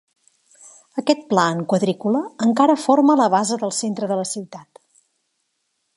Aquest pla en quadrícula encara forma la base del centre de la ciutat.